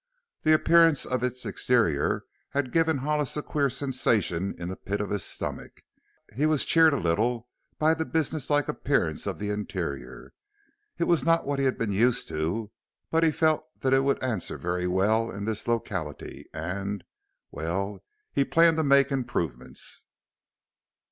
The appearance of its exterior had given Hollis a queer sensation in the pit of the stomach. He was cheered a little by the businesslike appearance of the interior. It was not what he had been used to, but he felt that it would answer very well in this locality, and well, he planned to make improvements.